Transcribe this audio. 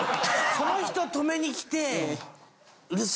その人止めにきて。